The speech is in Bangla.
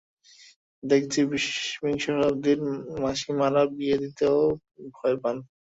দেখছি, বিংশ শতাব্দীর মাসিমারা বিয়ে দিতেও ভয় পান।